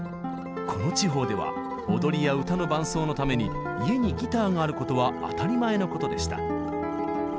この地方では踊りや歌の伴奏のために家にギターがあることは当たり前のことでした。